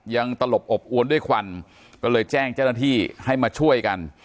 ตลบอบอวนด้วยควันก็เลยแจ้งเจ้าหน้าที่ให้มาช่วยกัน